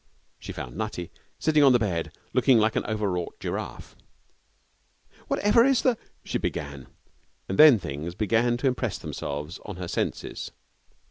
She found Nutty sitting on the bed, looking like an overwrought giraffe. 'Whatever is the ?' she began; and then things began to impress themselves on her senses.